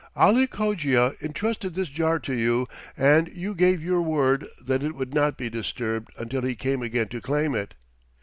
"Ali Cogia entrusted this jar to you, and you gave your word that it would not be disturbed until he came again to claim it.